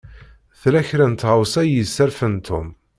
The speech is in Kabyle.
Tella kra n tɣawsa i yesserfan Tom.